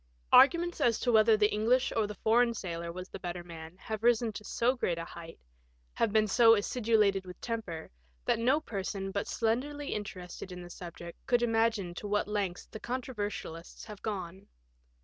Arguments as to whether the English or the foreign sailor was the better man have risen to so great a height, have been so acidulated with temper, that no person but slenderly interested in the subject could imagine to what lengths the controversialists have gone.